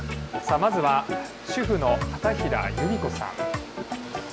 まずは、主婦の畠平由美子さん。